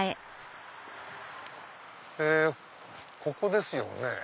ここですよね。